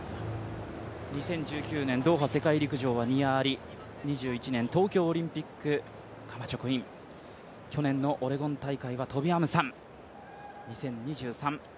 ２０１９年ドーハ世界陸上はニア・アリ、２１年、東京オリンピック、カマチョクイン、去年のオレゴン大会はトビ・アムサン２０２３